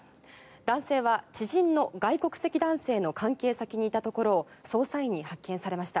男性は知人の外国籍男性の関係先にいたところを捜査員に発見されました。